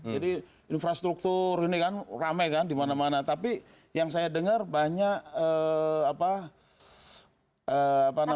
jadi infrastruktur ini kan rame kan dimana mana tapi yang saya dengar banyak apa namanya